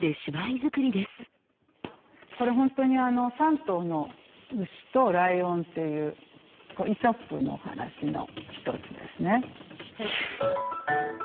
これ本当にあの「３頭の牛とライオン」っていう「イソップ」のお話の一つですね。